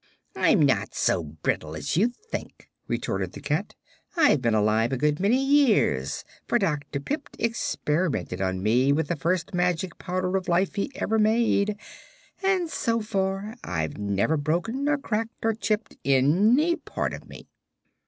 "I'm not so brittle as you think," retorted the cat. "I've been alive a good many years, for Dr. Pipt experimented on me with the first magic Powder of Life he ever made, and so far I've never broken or cracked or chipped any part of me."